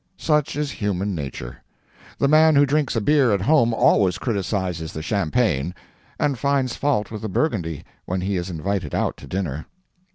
Such is human nature. The man who drinks beer at home always criticizes the champagne, and finds fault with the Burgundy when he is invited out to dinner.